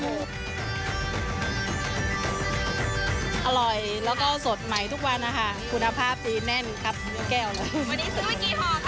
อร่อยแล้วก็สดใหม่ทุกวันนะคะคุณภาพนี้แน่นครับเงียวแก้วเลย